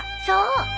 そう！